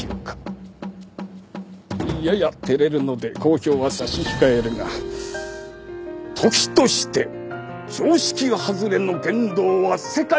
やや照れるので公表は差し控えるが時として常識外れの言動は世界を変える力となる。